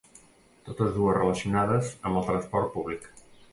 Totes dues relacionades amb el transport públic.